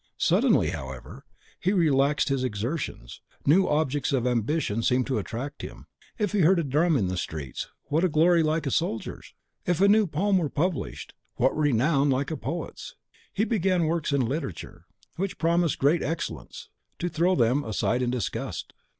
Suddenly, however, he relaxed his exertions; new objects of ambition seemed to attract him. If he heard a drum in the streets, what glory like the soldier's? If a new poem were published, what renown like the poet's? He began works in literature, which promised great excellence, to throw them aside in disgust.